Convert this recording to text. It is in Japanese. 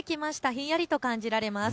ひんやりと感じられます。